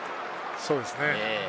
そうですね。